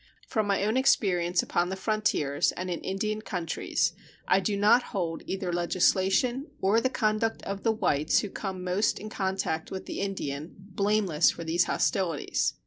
From my own experience upon the frontiers and in Indian countries, I do not hold either legislation or the conduct of the whites who come most in contact with the Indian blameless for these hostilities.